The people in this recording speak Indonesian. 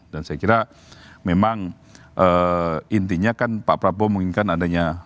dan saya kira memang intinya kan pak prabowo menginginkan adanya